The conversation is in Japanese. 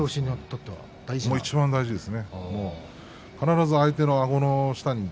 いちばん大事なんです。